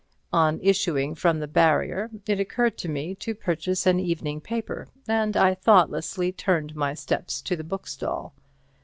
On issuing from the barrier it occurred to me to purchase an evening paper, and I thoughtlessly turned my steps to the bookstall.